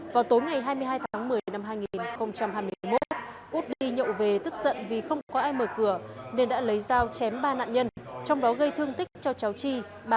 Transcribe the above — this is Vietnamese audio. vào tối ngày hai mươi hai tháng một mươi năm hai nghìn hai mươi một út đi nhậu về tức giận vì không có ai mở cửa nên đã lấy dao chém ba nạn nhân trong đó gây thương tích cho cháu chi ba mươi